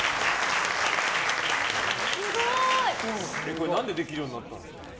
これ、何でできるようになったんですか。